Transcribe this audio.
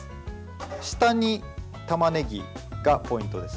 下にたまねぎがポイントです。